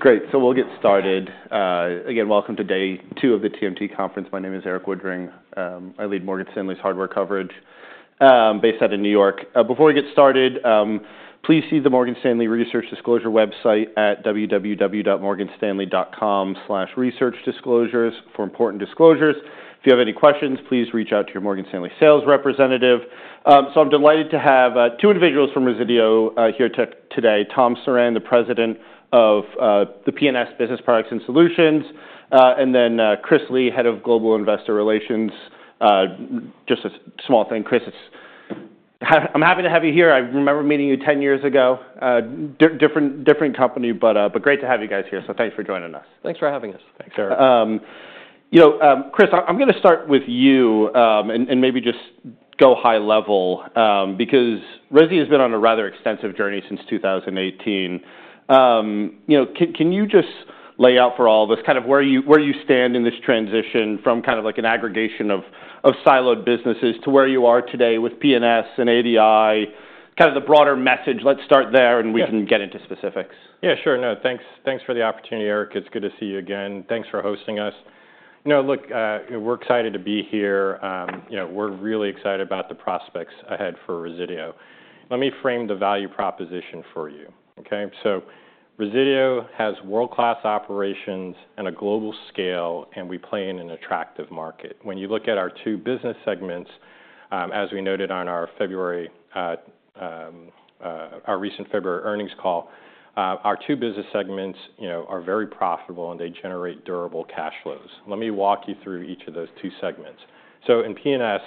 Great. So we'll get started. Again, welcome to day two of the TMT Conference. My name is Erik Woodring. I lead Morgan Stanley's hardware coverage based out of New York. Before we get started, please see the Morgan Stanley Research Disclosure website at www.morganstanley.com/researchdisclosures for important disclosures. If you have any questions, please reach out to your Morgan Stanley sales representative. So I'm delighted to have two individuals from Resideo here today: Tom Surran, the president of the P&S Business Products and Solutions, and then Chris Lee, head of Global Investor Relations. Just a small thing, Chris, I'm happy to have you here. I remember meeting you 10 years ago. Different company, but great to have you guys here. So thanks for joining us. Thanks for having us. Thanks, Erik. Chris, I'm going to start with you and maybe just go high level because Resideo has been on a rather extensive journey since 2018. Can you just lay out for all of us kind of where you stand in this transition from kind of like an aggregation of siloed businesses to where you are today with P&S and ADI, kind of the broader message? Let's start there and we can get into specifics. Yeah, sure. Thanks for the opportunity, Erik. It's good to see you again. Thanks for hosting us. Look, we're excited to be here. We're really excited about the prospects ahead for Resideo. Let me frame the value proposition for you. So Resideo has world-class operations and a global scale, and we play in an attractive market. When you look at our two business segments, as we noted on our recent February earnings call, our two business segments are very profitable and they generate durable cash flows. Let me walk you through each of those two segments. So in P&S,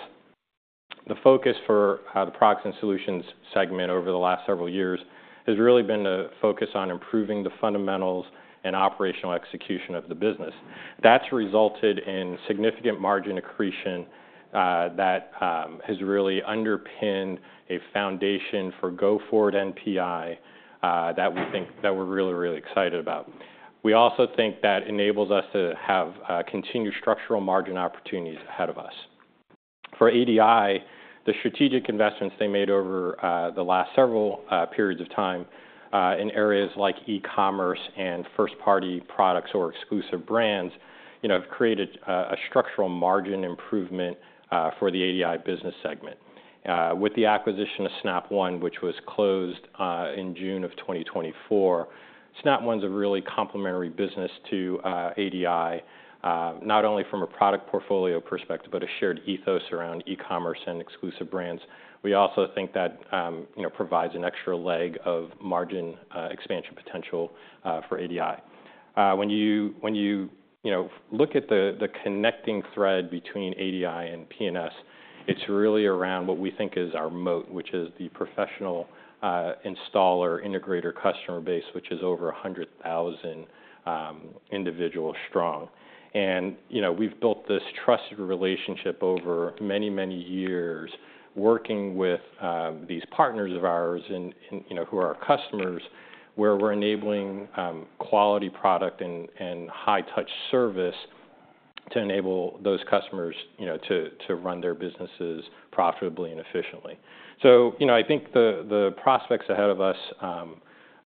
the focus for the Products and Solutions segment over the last several years has really been to focus on improving the fundamentals and operational execution of the business. That's resulted in significant margin accretion that has really underpinned a foundation for go-forward NPI that we think that we're really, really excited about. We also think that enables us to have continued structural margin opportunities ahead of us. For ADI, the strategic investments they made over the last several periods of time in areas like e-commerce and first-party products or exclusive brands have created a structural margin improvement for the ADI business segment. With the acquisition of Snap One, which was closed in June of 2024, Snap One's a really complementary business to ADI, not only from a product portfolio perspective, but a shared ethos around e-commerce and exclusive brands. We also think that provides an extra leg of margin expansion potential for ADI. When you look at the connecting thread between ADI and P&S, it's really around what we think is our moat, which is the professional installer integrator customer base, which is over 100,000 individuals strong. And we've built this trusted relationship over many, many years working with these partners of ours who are our customers, where we're enabling quality product and high-touch service to enable those customers to run their businesses profitably and efficiently. So I think the prospects ahead of us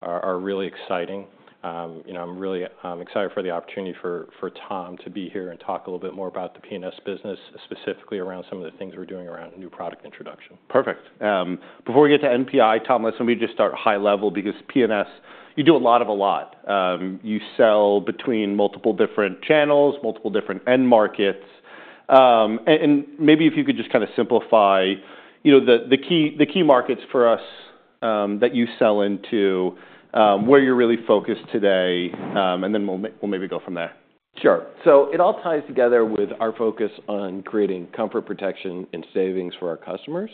are really exciting. I'm really excited for the opportunity for Tom to be here and talk a little bit more about the P&S business, specifically around some of the things we're doing around new product introduction. Perfect. Before we get to NPI, Tom, let me just start high level because P&S, you do a lot of a lot. You sell between multiple different channels, multiple different end markets. And maybe if you could just kind of simplify the key markets for us that you sell into, where you're really focused today, and then we'll maybe go from there. Sure, so it all ties together with our focus on creating comfort, protection, and savings for our customers,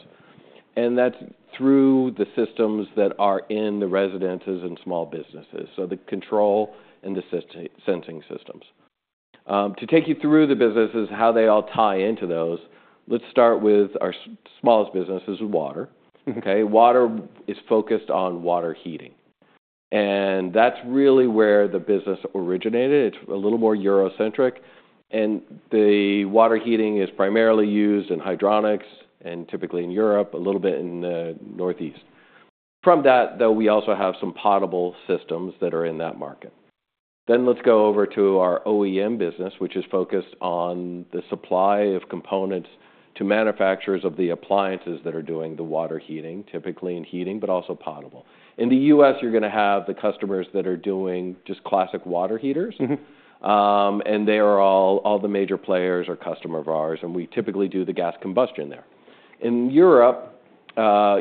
and that's through the systems that are in the residences and small businesses, so the control and the sensing systems. To take you through the businesses, how they all tie into those, let's start with our smallest business, which is water. Water is focused on water heating, and that's really where the business originated. It's a little more Eurocentric, and the water heating is primarily used in hydronics and typically in Europe, a little bit in the Northeast. From that, though, we also have some potable systems that are in that market, then let's go over to our OEM business, which is focused on the supply of components to manufacturers of the appliances that are doing the water heating, typically in heating, but also potable. In the U.S., you're going to have the customers that are doing just classic water heaters, and they are all the major players or customers of ours, and we typically do the gas combustion there. In Europe,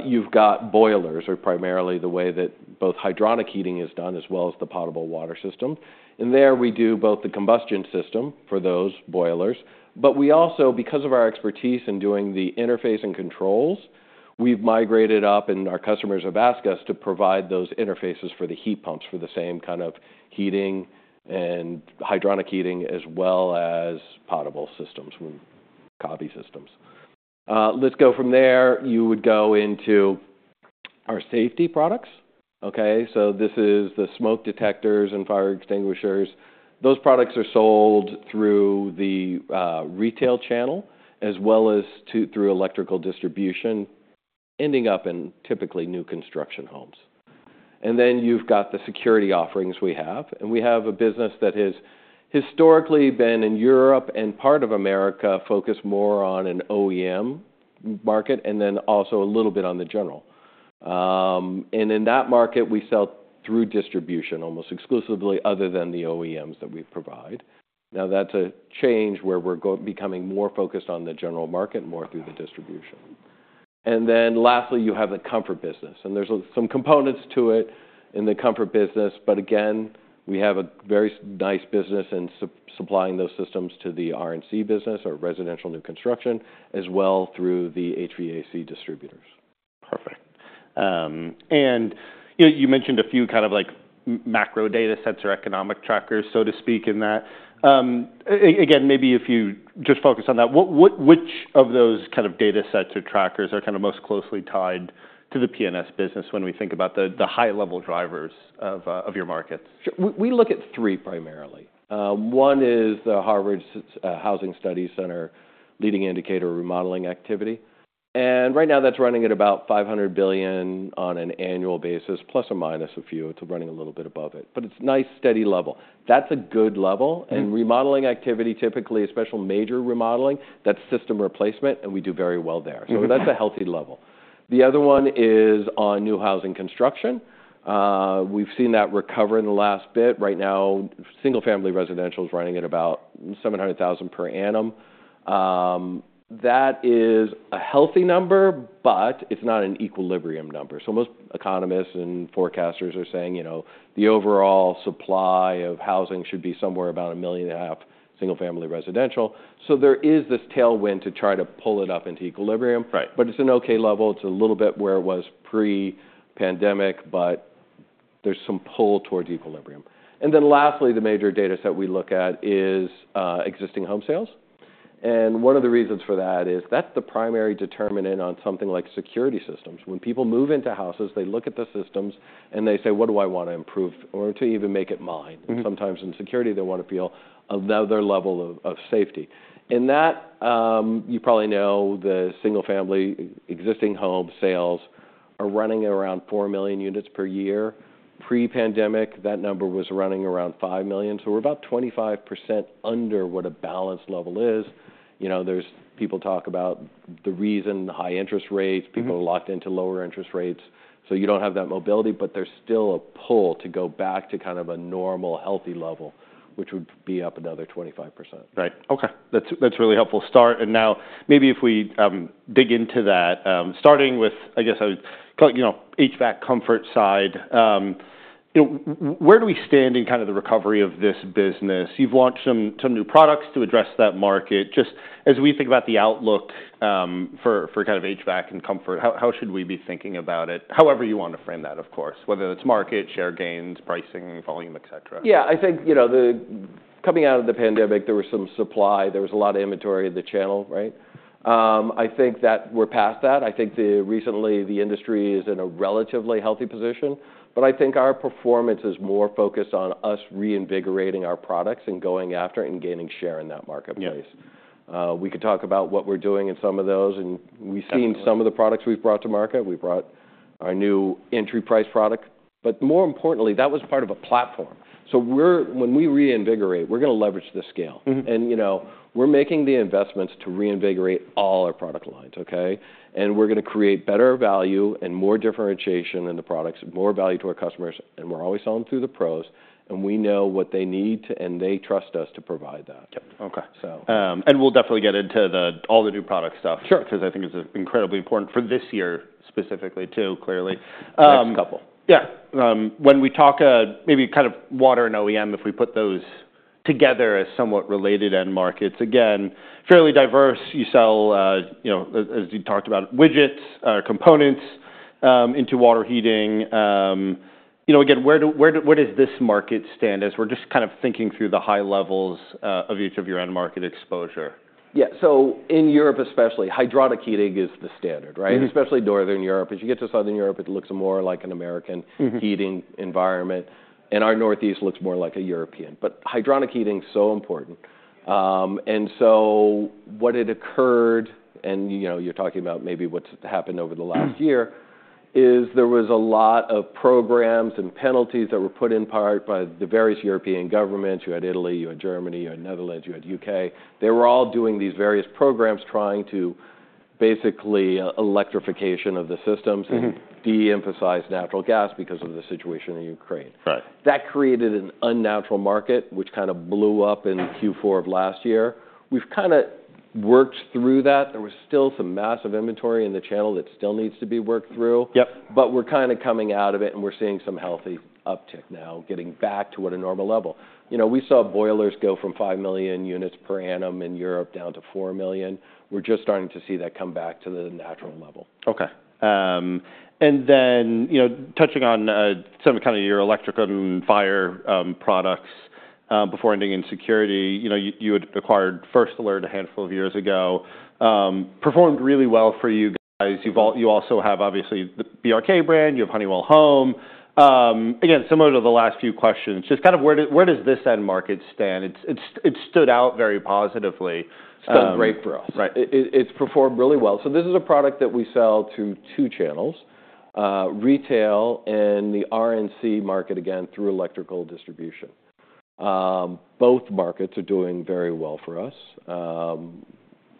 you've got, boilers are primarily the way that both hydronic heating is done as well as the potable water system, and there we do both the combustion system for those boilers. But we also, because of our expertise in doing the interface and controls, we've migrated up and our customers have asked us to provide those interfaces for the heat pumps for the same kind of heating and hydronic heating as well as potable systems, combi systems. Let's go from there. You would go into our safety products, so this is the smoke detectors and fire extinguishers. Those products are sold through the retail channel as well as through electrical distribution, ending up in typically new construction homes, and then you've got the security offerings we have, and we have a business that has historically been in Europe and part of America focused more on an OEM market and then also a little bit on the general, and in that market, we sell through distribution almost exclusively other than the OEMs that we provide. Now that's a change where we're becoming more focused on the general market more through the distribution, and then lastly, you have the comfort business, and there's some components to it in the comfort business, but again, we have a very nice business in supplying those systems to the RNC business or residential new construction as well through the HVAC distributors. Perfect. And you mentioned a few kind of macro data sets or economic trackers, so to speak, in that. Again, maybe if you just focus on that, which of those kind of data sets or trackers are kind of most closely tied to the P&S business when we think about the high-level drivers of your markets? We look at three primarily. One is the Harvard Joint Center for Housing Studies, Leading Indicator of Remodeling Activity. And right now that's running at about $500 billion on an annual basis, plus or minus a few. It's running a little bit above it. But it's a nice steady level. That's a good level. And remodeling activity, typically a special major remodeling, that's system replacement, and we do very well there. So that's a healthy level. The other one is on new housing construction. We've seen that recover in the last bit. Right now, single-family residential is running at about 700,000 per annum. That is a healthy number, but it's not an equilibrium number. So most economists and forecasters are saying the overall supply of housing should be somewhere about a million and a half single-family residential. So there is this tailwind to try to pull it up into equilibrium. But it's an okay level. It's a little bit where it was pre-pandemic, but there's some pull towards equilibrium. And then lastly, the major data set we look at is existing home sales. And one of the reasons for that is that's the primary determinant on something like security systems. When people move into houses, they look at the systems and they say, "What do I want to improve or to even make it mine?" And sometimes in security, they want to feel another level of safety. In that, you probably know the single-family existing home sales are running at around four million units per year. Pre-pandemic, that number was running around five million. So we're about 25% under what a balanced level is. There's people talk about the reason high interest rates, people are locked into lower interest rates. So you don't have that mobility, but there's still a pull to go back to kind of a normal healthy level, which would be up another 25%. Right. Okay. That's really helpful start, and now maybe if we dig into that, starting with, I guess, HVAC comfort side, where do we stand in kind of the recovery of this business? You've launched some new products to address that market. Just as we think about the outlook for kind of HVAC and comfort, how should we be thinking about it? However you want to frame that, of course, whether it's market, share gains, pricing, volume, etc. Yeah. I think coming out of the pandemic, there was some supply. There was a lot of inventory in the channel. I think that we're past that. I think recently the industry is in a relatively healthy position, but I think our performance is more focused on us reinvigorating our products and going after it and gaining share in that marketplace. We could talk about what we're doing in some of those, and we've seen some of the products we've brought to market. We brought our new entry-price product, but more importantly, that was part of a platform. So when we reinvigorate, we're going to leverage the scale, and we're making the investments to reinvigorate all our product lines, and we're going to create better value and more differentiation in the products, more value to our customers, and we're always selling through the pros. And we know what they need and they trust us to provide that. Okay. And we'll definitely get into all the new product stuff because I think it's incredibly important for this year specifically too, clearly. Next couple. Yeah. When we talk maybe kind of water and OEM, if we put those together as somewhat related end markets, again, fairly diverse. You sell, as you talked about, widgets or components into water heating. Again, where does this market stand as we're just kind of thinking through the high levels of each of your end market exposure? Yeah. So in Europe, especially, hydronic heating is the standard, especially Northern Europe. As you get to Southern Europe, it looks more like an American heating environment. And our Northeast looks more like a European. But hydronic heating is so important. And so what had occurred, and you're talking about maybe what's happened over the last year, is there was a lot of programs and penalties that were put in part by the various European governments. You had Italy, you had Germany, you had Netherlands, you had the U.K.. They were all doing these various programs trying to basically electrification of the systems and de-emphasize natural gas because of the situation in Ukraine. That created an unnatural market, which kind of blew up in Q4 of last year. We've kind of worked through that. There was still some massive inventory in the channel that still needs to be worked through. But we're kind of coming out of it and we're seeing some healthy uptick now, getting back to what a normal level. We saw boilers go from five million units per annum in Europe down to four million. We're just starting to see that come back to the natural level. Okay. And then touching on some of kind of your electric and fire products before ending in security, you had acquired First Alert a handful of years ago, performed really well for you guys. You also have obviously the BRK brand, you have Honeywell Home. Again, similar to the last few questions, just kind of where does this end market stand? It stood out very positively. It's done great for us. It's performed really well. So this is a product that we sell to two channels, retail and the RNC market, again, through electrical distribution. Both markets are doing very well for us.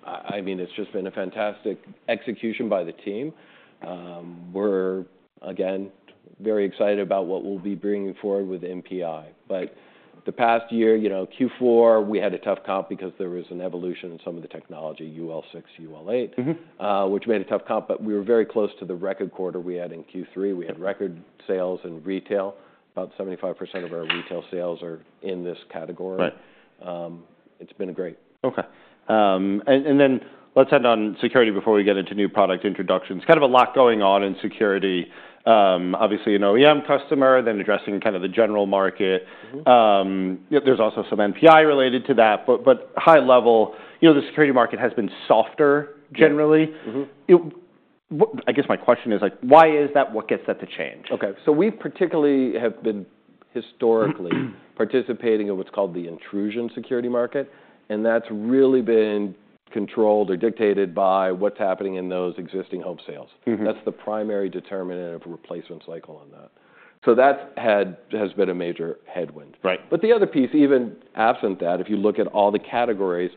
I mean, it's just been a fantastic execution by the team. We're, again, very excited about what we'll be bringing forward with NPI. But the past year, Q4, we had a tough comp because there was an evolution in some of the technology, UL 217, UL 268, which made a tough comp. But we were very close to the record quarter we had in Q3. We had record sales in retail. About 75% of our retail sales are in this category. It's been great. Okay. And then let's end on security before we get into new product introductions. Kind of a lot going on in security. Obviously, an OEM customer, then addressing kind of the general market. There's also some NPI related to that. But high level, the security market has been softer generally. I guess my question is, why is that? What gets that to change? Okay. So we particularly have been historically participating in what's called the intrusion security market. And that's really been controlled or dictated by what's happening in those existing home sales. That's the primary determinant of a replacement cycle on that. So that has been a major headwind. But the other piece, even absent that, if you look at all the categories,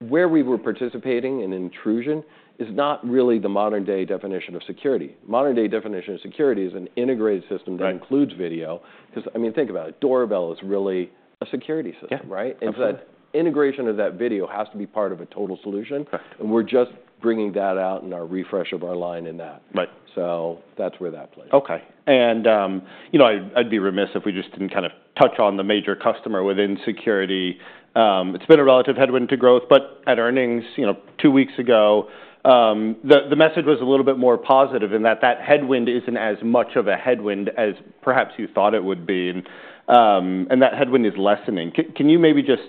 where we were participating in intrusion is not really the modern-day definition of security. Modern-day definition of security is an integrated system that includes video. Because I mean, think about it. Doorbell is really a security system. And so integration of that video has to be part of a total solution. And we're just bringing that out in our refresh of our line in that. So that's where that plays. Okay. And I'd be remiss if we just didn't kind of touch on the major customer within security. It's been a relative headwind to growth. But at earnings two weeks ago, the message was a little bit more positive in that that headwind isn't as much of a headwind as perhaps you thought it would be. And that headwind is lessening. Can you maybe just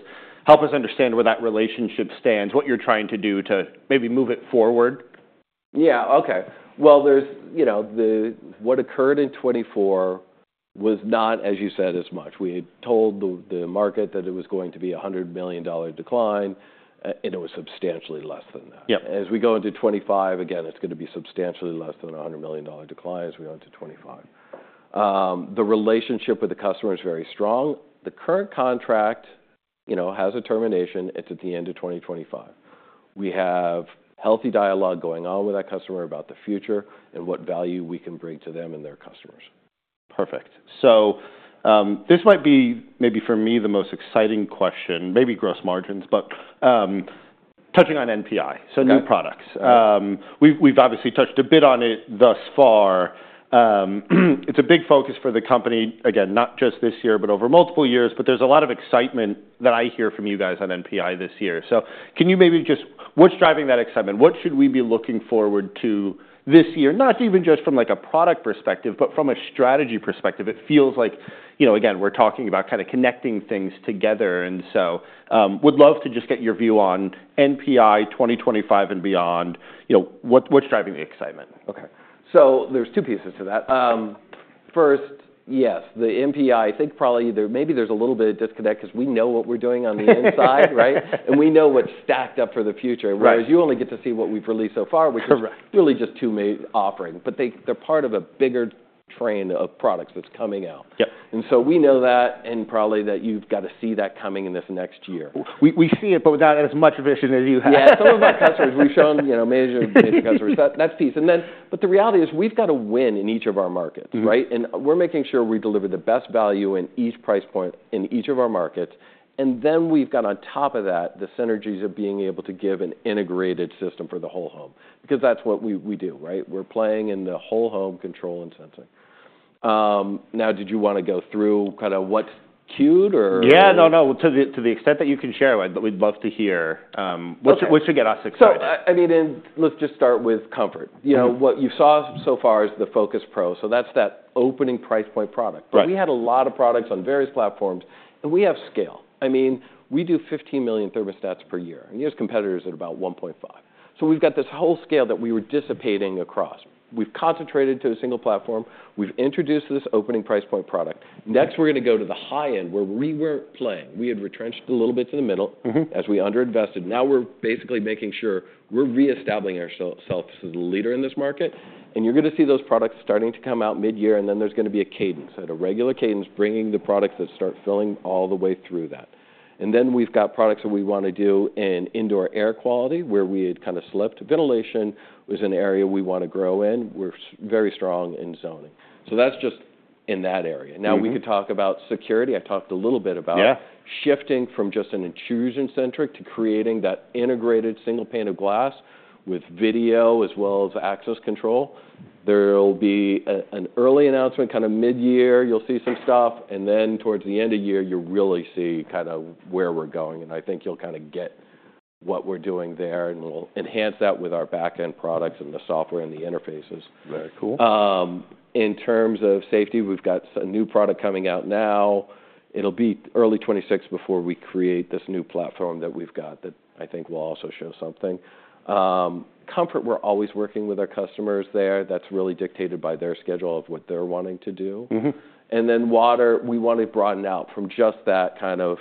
help us understand where that relationship stands, what you're trying to do to maybe move it forward? Yeah. Okay. Well, what occurred in 2024 was not, as you said, as much. We had told the market that it was going to be a $100 million decline, and it was substantially less than that. As we go into 2025, again, it's going to be substantially less than a $100 million decline as we go into 2025. The relationship with the customer is very strong. The current contract has a termination. It's at the end of 2025. We have healthy dialogue going on with that customer about the future and what value we can bring to them and their customers. Perfect. So this might be maybe for me the most exciting question, maybe gross margins, but touching on NPI, so new products. We've obviously touched a bit on it thus far. It's a big focus for the company, again, not just this year, but over multiple years. But there's a lot of excitement that I hear from you guys on NPI this year. So can you maybe just what's driving that excitement? What should we be looking forward to this year, not even just from a product perspective, but from a strategy perspective? It feels like, again, we're talking about kind of connecting things together. And so would love to just get your view on NPI 2025 and beyond. What's driving the excitement? Okay, so there's two pieces to that. First, yes, the NPI. I think probably maybe there's a little bit of disconnect because we know what we're doing on the inside, and we know what's stacked up for the future, whereas you only get to see what we've released so far, which is really just two main offerings, but they're part of a bigger train of products that's coming out, and so we know that and probably that you've got to see that coming in this next year. We see it, but without as much vision as you have. Yeah. Some of our customers, we've shown major customers. That's key. But the reality is we've got to win in each of our markets. And we're making sure we deliver the best value in each price point in each of our markets. And then we've got on top of that the synergies of being able to give an integrated system for the whole home. Because that's what we do. We're playing in the whole home control and sensing. Now, did you want to go through kind of what's queued or? Yeah. No, no. To the extent that you can share, we'd love to hear what should get us excited. So I mean, let's just start with comfort. What you saw so far is the FocusPRO. So that's that opening price point product. But we had a lot of products on various platforms. And we have scale. I mean, we do 15 million thermostats per year. And you have competitors at about 1.5. So we've got this whole scale that we were dissipating across. We've concentrated to a single platform. We've introduced this opening price point product. Next, we're going to go to the high end where we weren't playing. We had retrenched a little bit to the middle as we underinvested. Now we're basically making sure we're reestablishing ourselves as a leader in this market. And you're going to see those products starting to come out mid-year. And then there's going to be a cadence, a regular cadence, bringing the products that start filling all the way through that. And then we've got products that we want to do in indoor air quality where we had kind of slipped. Ventilation was an area we want to grow in. We're very strong in zoning. So that's just in that area. Now we could talk about security. I talked a little bit about shifting from just an intrusion-centric to creating that integrated single pane of glass with video as well as access control. There will be an early announcement kind of mid-year. You'll see some stuff. And then towards the end of year, you'll really see kind of where we're going. And I think you'll kind of get what we're doing there. And we'll enhance that with our back-end products and the software and the interfaces. Very cool. In terms of safety, we've got a new product coming out now. It'll be early 2026 before we create this new platform that we've got that I think will also show something. Comfort, we're always working with our customers there. That's really dictated by their schedule of what they're wanting to do. And then water, we want to broaden out from just that kind of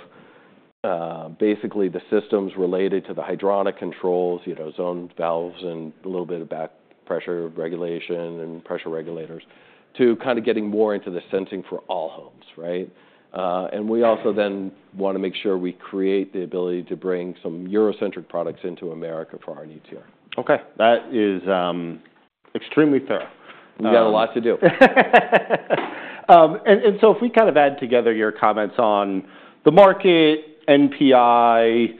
basically the systems related to the hydronic controls, zone valves, and a little bit of back pressure regulation and pressure regulators to kind of getting more into the sensing for all homes. And we also then want to make sure we create the ability to bring some Eurocentric products into America for our needs here. Okay. That is extremely thorough. We've got a lot to do. If we kind of add together your comments on the market, NPI,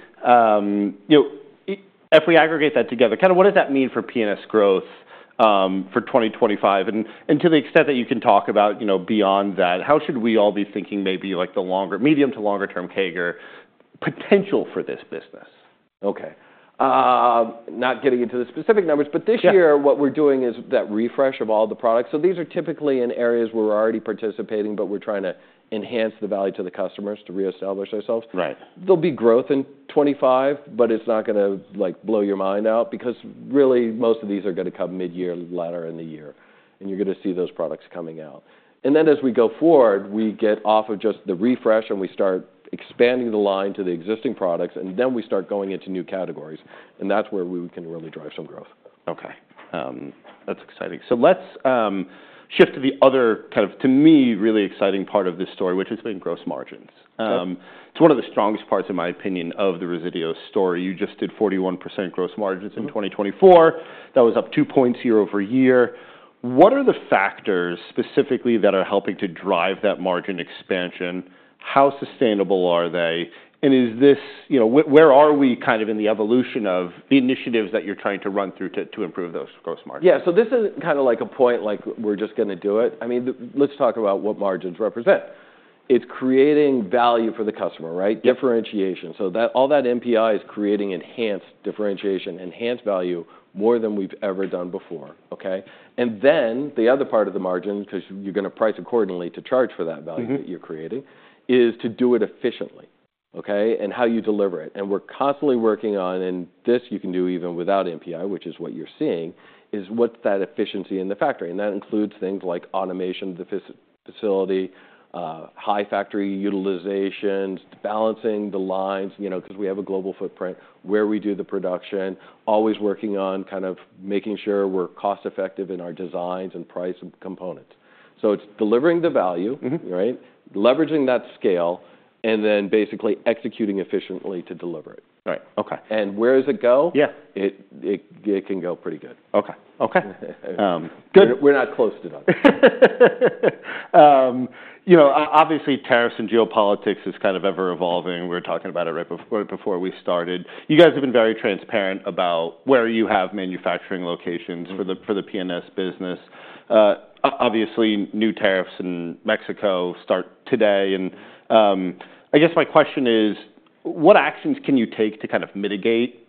if we aggregate that together, kind of what does that mean for P&S growth for 2025? To the extent that you can talk about beyond that, how should we all be thinking maybe like the longer, medium to longer-term CAGR potential for this business? Okay. Not getting into the specific numbers. But this year, what we're doing is that refresh of all the products. So these are typically in areas where we're already participating, but we're trying to enhance the value to the customers to reestablish ourselves. There'll be growth in 2025, but it's not going to blow your mind out because really most of these are going to come mid-year, later in the year. And you're going to see those products coming out. And then as we go forward, we get off of just the refresh and we start expanding the line to the existing products. And then we start going into new categories. And that's where we can really drive some growth. Okay. That's exciting. So let's shift to the other kind of, to me, really exciting part of this story, which has been gross margins. It's one of the strongest parts, in my opinion, of the Resideo story. You just did 41% gross margins in 2024. That was up 2.0 for a year. What are the factors specifically that are helping to drive that margin expansion? How sustainable are they? And where are we kind of in the evolution of the initiatives that you're trying to run through to improve those gross margins? Yeah. So this is kind of like a point like we're just going to do it. I mean, let's talk about what margins represent. It's creating value for the customer, differentiation. So all that NPI is creating enhanced differentiation, enhanced value more than we've ever done before. And then the other part of the margin, because you're going to price accordingly to charge for that value that you're creating, is to do it efficiently and how you deliver it. And we're constantly working on, and this you can do even without NPI, which is what you're seeing, is what's that efficiency in the factory. And that includes things like automation of the facility, high factory utilizations, balancing the lines because we have a global footprint where we do the production, always working on kind of making sure we're cost-effective in our designs and price components. So it's delivering the value, leveraging that scale, and then basically executing efficiently to deliver it. And where does it go? Yeah, it can go pretty good. Okay. Okay. Good. We're not close to done. Obviously, tariffs and geopolitics is kind of ever-evolving. We were talking about it right before we started. You guys have been very transparent about where you have manufacturing locations for the P&S business. Obviously, new tariffs in Mexico start today, and I guess my question is, what actions can you take to kind of mitigate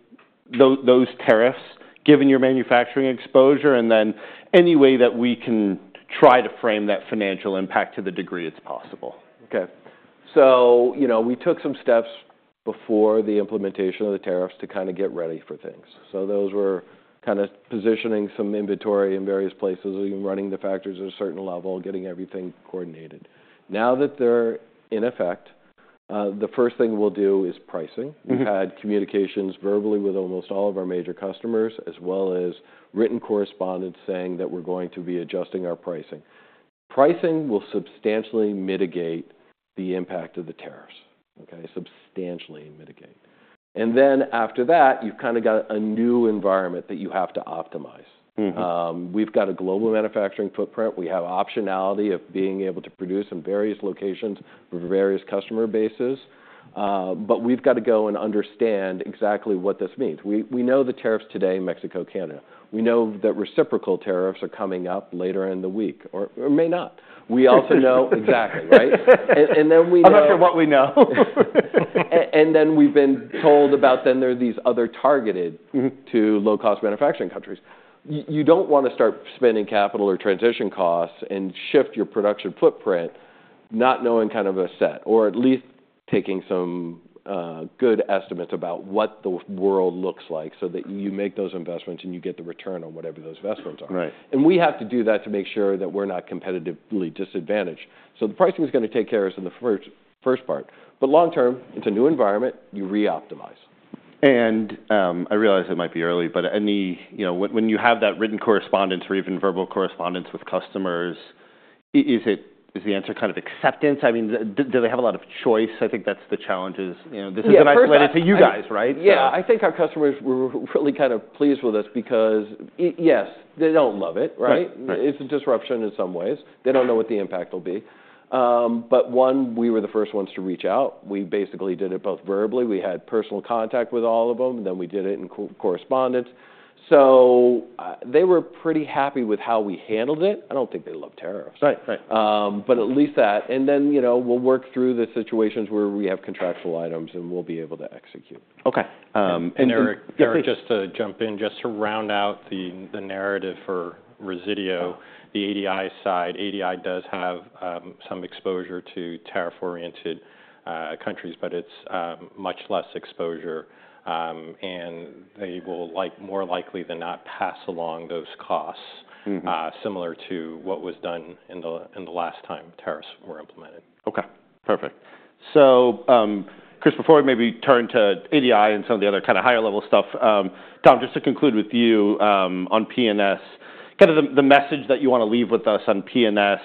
those tariffs given your manufacturing exposure, and then any way that we can try to frame that financial impact to the degree it's possible? Okay, so we took some steps before the implementation of the tariffs to kind of get ready for things. So those were kind of positioning some inventory in various places, running the factories at a certain level, getting everything coordinated. Now that they're in effect, the first thing we'll do is pricing. We've had communications verbally with almost all of our major customers, as well as written correspondence saying that we're going to be adjusting our pricing. Pricing will substantially mitigate the impact of the tariffs, substantially mitigate, and then after that, you've kind of got a new environment that you have to optimize. We've got a global manufacturing footprint. We have optionality of being able to produce in various locations for various customer bases. But we've got to go and understand exactly what this means. We know the tariffs today, Mexico, Canada. We know that reciprocal tariffs are coming up later in the week or may not. We also know exactly, and then we know. I'm not sure what we know. And then we've been told about then there are these other targeted to low-cost manufacturing countries. You don't want to start spending capital or transition costs and shift your production footprint not knowing kind of a set or at least taking some good estimates about what the world looks like so that you make those investments and you get the return on whatever those investments are. And we have to do that to make sure that we're not competitively disadvantaged. So the pricing is going to take care of us in the first part. But long-term, it's a new environment. You reoptimize. And I realize it might be early, but when you have that written correspondence or even verbal correspondence with customers, is the answer kind of acceptance? I mean, do they have a lot of choice? I think that's the challenge, is. This isn't isolated to you guys, right? Yeah. I think our customers were really kind of pleased with us because, yes, they don't love it. It's a disruption in some ways. They don't know what the impact will be. But one, we were the first ones to reach out. We basically did it both verbally. We had personal contact with all of them. Then we did it in correspondence. So they were pretty happy with how we handled it. I don't think they love tariffs. But at least that. And then we'll work through the situations where we have contractual items and we'll be able to execute. Okay. And Erik, just to jump in, just to round out the narrative for Resideo, the ADI side, ADI does have some exposure to tariff-oriented countries, but it's much less exposure. And they will more likely than not pass along those costs similar to what was done in the last time tariffs were implemented. Okay. Perfect. So Chris, before we maybe turn to ADI and some of the other kind of higher-level stuff, Tom, just to conclude with you on P&S, kind of the message that you want to leave with us on P&S,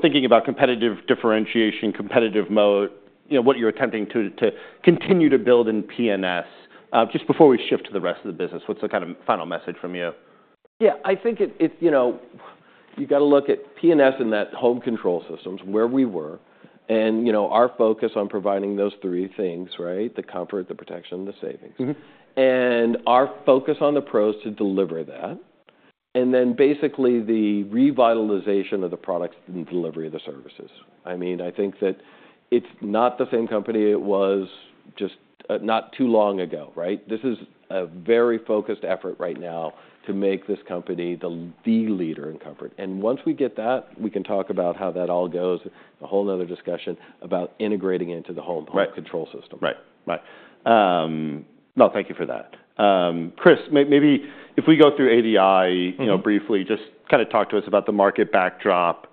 thinking about competitive differentiation, competitive moat, what you're attempting to continue to build in P&S, just before we shift to the rest of the business, what's the kind of final message from you? Yeah. I think you've got to look at P&S and that home control systems where we were and our focus on providing those three things, the comfort, the protection, the savings, and our focus on the pros to deliver that, and then basically the revitalization of the products and delivery of the services. I mean, I think that it's not the same company it was just not too long ago. This is a very focused effort right now to make this company the leader in comfort, and once we get that, we can talk about how that all goes, a whole another discussion about integrating into the home home control system. Right. Right. No, thank you for that. Chris, maybe if we go through ADI briefly, just kind of talk to us about the market backdrop.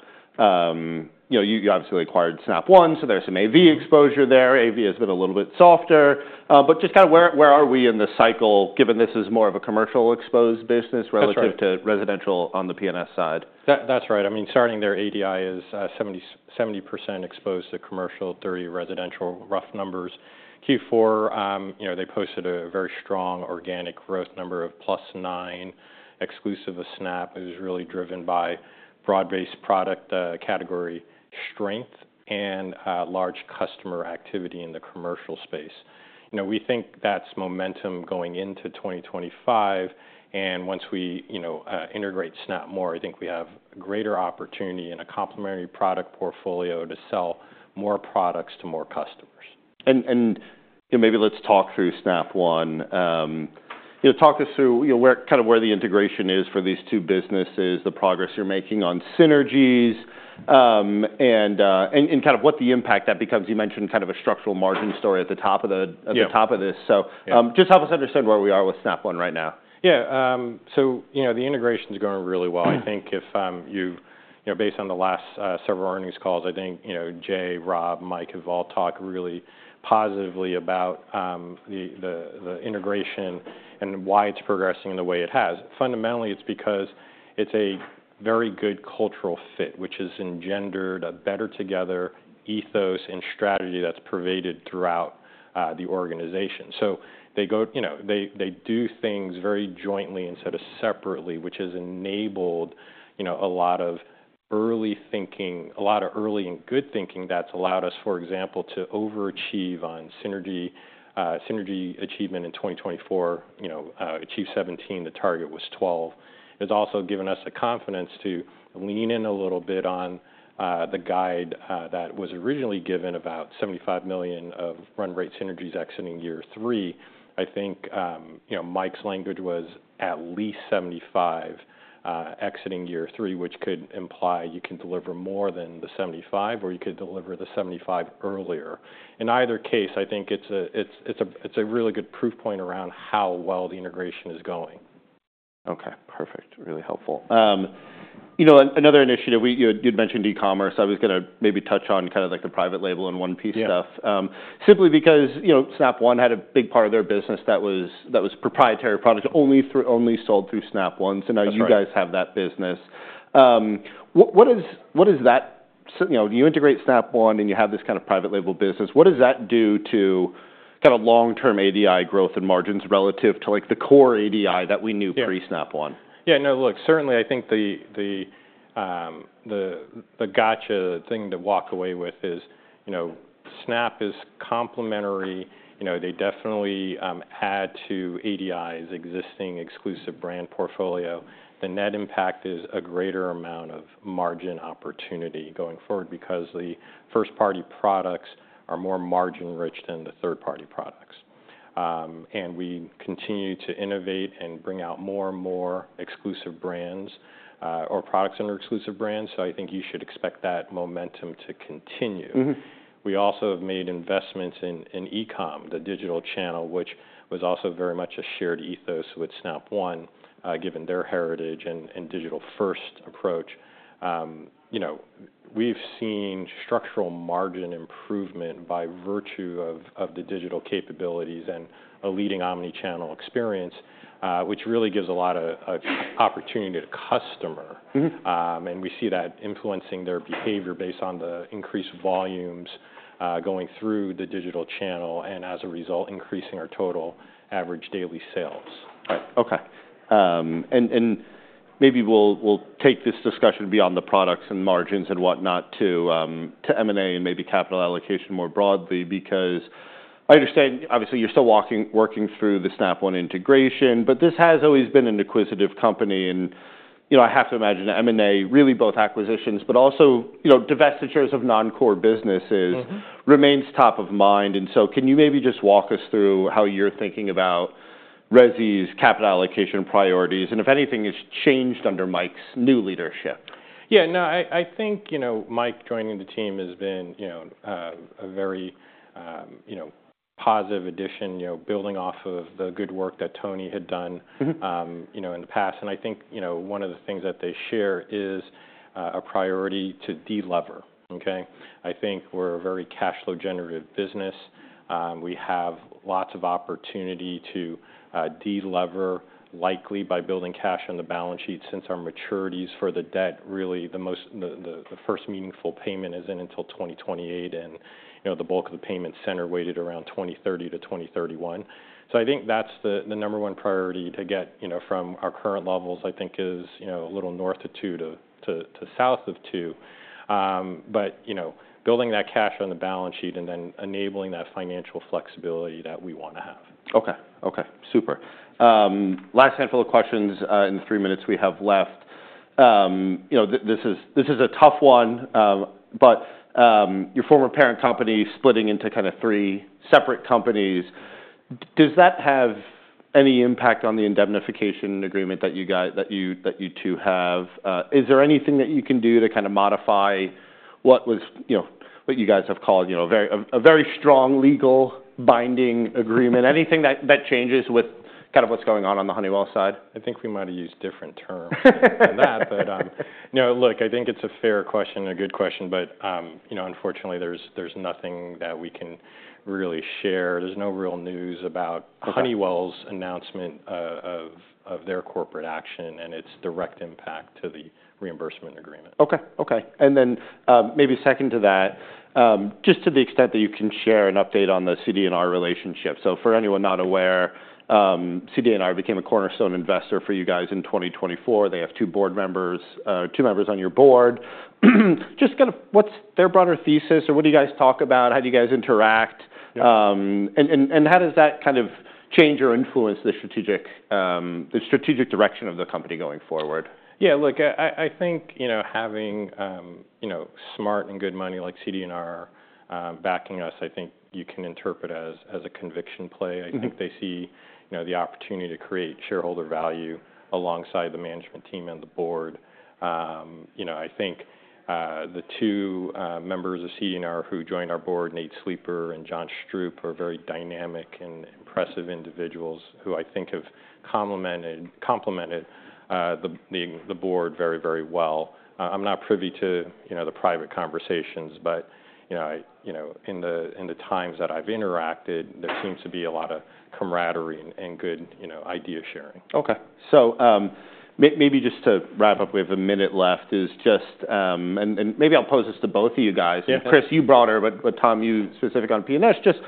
You obviously acquired Snap One, so there's some AV exposure there. AV has been a little bit softer. But just kind of where are we in the cycle, given this is more of a commercial exposed business relative to residential on the P&S side? That's right. I mean, starting there, ADI is 70% exposed to commercial, 30% residential, rough numbers. Q4, they posted a very strong organic growth number of +9% exclusive of Snap One. It was really driven by broad-based product category strength and large customer activity in the commercial space. We think that's momentum going into 2025, and once we integrate Snap more, I think we have greater opportunity in a complementary product portfolio to sell more products to more customers. And maybe let's talk through Snap One. Talk us through kind of where the integration is for these two businesses, the progress you're making on synergies, and kind of what the impact that becomes. You mentioned kind of a structural margin story at the top of this. So just help us understand where we are with Snap One right now. Yeah. So the integration is going really well. I think if you, based on the last several earnings calls, I think Jay, Rob, Mike have all talked really positively about the integration and why it's progressing in the way it has. Fundamentally, it's because it's a very good cultural fit, which has engendered a better together ethos and strategy that's pervaded throughout the organization. So they do things very jointly instead of separately, which has enabled a lot of early thinking, a lot of early and good thinking that's allowed us, for example, to overachieve on synergy achievement in 2024, achieve 17. The target was 12. It's also given us the confidence to lean in a little bit on the guide that was originally given about $75 million of run rate synergies exiting year three. I think Mike's language was at least 75 exiting year three, which could imply you can deliver more than the 75 or you could deliver the 75 earlier. In either case, I think it's a really good proof point around how well the integration is going. Okay. Perfect. Really helpful. Another initiative, you'd mentioned e-commerce. I was going to maybe touch on kind of like the private label and 1P stuff simply because Snap One had a big part of their business that was proprietary products only sold through Snap One. So now you guys have that business. What does that, you integrate Snap One and you have this kind of private label business, what does that do to kind of long-term ADI growth and margins relative to the core ADI that we knew pre-Snap One? Yeah. No, look, certainly I think the gotcha thing to walk away with is Snap One is complementary. They definitely add to ADI's existing exclusive brand portfolio. The net impact is a greater amount of margin opportunity going forward because the first-party products are more margin-rich than the third-party products. And we continue to innovate and bring out more and more exclusive brands or products under exclusive brands. So I think you should expect that momentum to continue. We also have made investments in e-comm, the digital channel, which was also very much a shared ethos with Snap One given their heritage and digital-first approach. We've seen structural margin improvement by virtue of the digital capabilities and a leading omnichannel experience, which really gives a lot of opportunity to customer. We see that influencing their behavior based on the increased volumes going through the digital channel and as a result, increasing our total average daily sales. Right. Okay. And maybe we'll take this discussion beyond the products and margins and whatnot to M&A and maybe capital allocation more broadly because I understand, obviously, you're still working through the Snap One integration, but this has always been an acquisitive company. And I have to imagine M&A, really both acquisitions, but also divestitures of non-core businesses remains top of mind. And so can you maybe just walk us through how you're thinking about Resi's capital allocation priorities and if anything has changed under Mike's new leadership? Yeah. No, I think Mike joining the team has been a very positive addition, building off of the good work that Tony had done in the past. And I think one of the things that they share is a priority to delever. I think we're a very cash flow generative business. We have lots of opportunity to delever likely by building cash on the balance sheet since our maturities for the debt, really the first meaningful payment isn't until 2028. And the bulk of the payment center weighted around 2030 to 2031. So I think that's the number one priority to get from our current levels, I think is a little north of two to south of two, but building that cash on the balance sheet and then enabling that financial flexibility that we want to have. Okay. Okay. Super. Last handful of questions in the three minutes we have left. This is a tough one, but your former parent company splitting into kind of three separate companies, does that have any impact on the indemnification agreement that you two have? Is there anything that you can do to kind of modify what you guys have called a very strong legal binding agreement? Anything that changes with kind of what's going on on the Honeywell side? I think we might have used different terms than that, but look, I think it's a fair question and a good question, but unfortunately, there's nothing that we can really share. There's no real news about Honeywell's announcement of their corporate action and its direct impact to the reimbursement agreement. Okay. Okay. And then maybe second to that, just to the extent that you can share an update on the CD&R relationship. So for anyone not aware, CD&R became a cornerstone investor for you guys in 2024. They have two board members, two members on your board. Just kind of what's their broader thesis or what do you guys talk about? How do you guys interact? And how does that kind of change or influence the strategic direction of the company going forward? Yeah. Look, I think having smart and good money like CD&R backing us, I think you can interpret as a conviction play. I think they see the opportunity to create shareholder value alongside the management team and the board. I think the two members of CD&R who joined our board, Nate Sleeper and John Stroup, are very dynamic and impressive individuals who I think have complemented the board very, very well. I'm not privy to the private conversations, but in the times that I've interacted, there seems to be a lot of camaraderie and good idea sharing. Okay. So maybe just to wrap up, we have a minute left. It's just, and maybe I'll pose this to both of you guys. Chris, you broaden it, but Tom, be specific on P&S. Just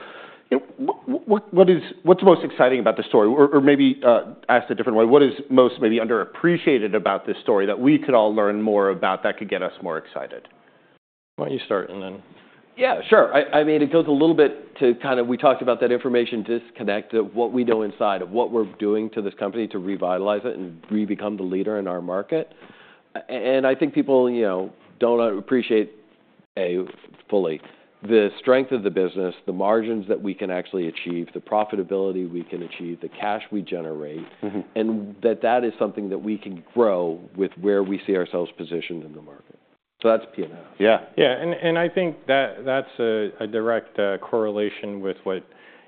what's most exciting about the story? Or, maybe asked a different way, what is most maybe underappreciated about this story that we could all learn more about that could get us more excited? Why don't you start and then? Yeah, sure. I mean, it goes a little bit to kind of we talked about that information disconnect of what we know inside of what we're doing to this company to revitalize it and rebecome the leader in our market. And I think people don't appreciate A, fully, the strength of the business, the margins that we can actually achieve, the profitability we can achieve, the cash we generate, and that that is something that we can grow with where we see ourselves positioned in the market. So that's P&S. Yeah. Yeah. And I think that's a direct correlation with what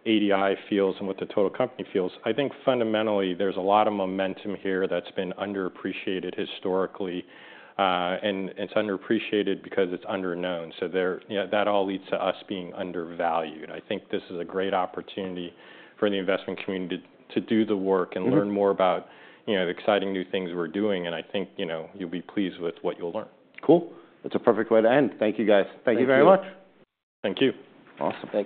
ADI feels and what the total company feels. I think fundamentally, there's a lot of momentum here that's been underappreciated historically. And it's underappreciated because it's under-known. So that all leads to us being undervalued. I think this is a great opportunity for the investment community to do the work and learn more about the exciting new things we're doing. And I think you'll be pleased with what you'll learn. Cool. That's a perfect way to end. Thank you guys. Thank you very much. Thank you. Awesome.